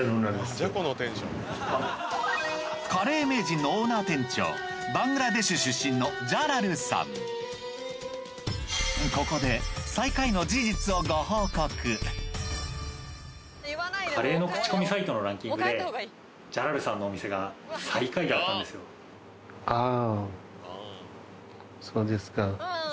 「カレー名人」のオーナー店長バングラデシュ出身のここでカレーのクチコミサイトのランキングでジャラルさんのお店が最下位だったんですよ。ああ。